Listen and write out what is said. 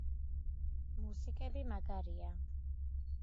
მუსიკები მაგარია